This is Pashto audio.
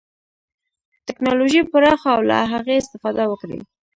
ټکنالوژي پراخه او له هغې استفاده وکړي.